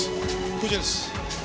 こちらです。